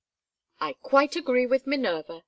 "I quite agree with Minerva!"